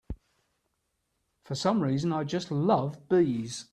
For some reason I just love bees.